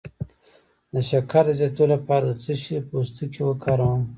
د شکر د زیاتیدو لپاره د څه شي پوستکی وکاروم؟